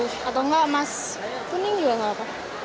mas putih atau enggak mas kuning juga enggak apa